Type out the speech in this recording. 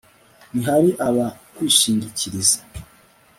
Ni hari aba kwishingikiriza